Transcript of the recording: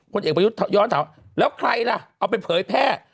เอกประยุทธ์ย้อนถามแล้วใครล่ะเอาไปเผยแพร่